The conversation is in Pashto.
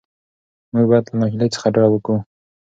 موږ باید له ناهیلۍ څخه ډډه وکړو.